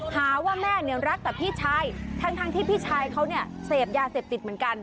หาว่าแม่เนี่ยรักแต่พี่ชายทั้งที่พี่ชายเขาเนี่ยเสพยาเสพติดเหมือนกัน